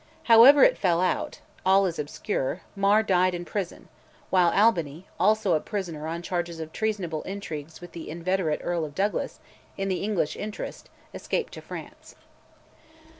However it fell out all is obscure Mar died in prison; while Albany, also a prisoner on charges of treasonable intrigues with the inveterate Earl of Douglas, in the English interest, escaped to France.